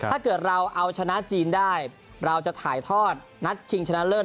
ถ้าเกิดเราเอาชนะจีนได้เราจะถ่ายทอดนัดชิงชนะเลิศ